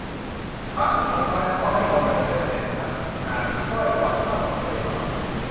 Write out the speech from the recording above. ครั้นเรียบร้อยแล้วก็ให้คนมาเชิญเสด็จพระนางสร้อยดอกหมากเข้าไปในวัง